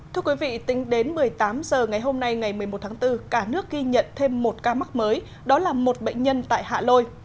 thưa quý vị tính đến một mươi tám h ngày hôm nay ngày một mươi một tháng bốn cả nước ghi nhận thêm một ca mắc mới đó là một bệnh nhân tại hạ lôi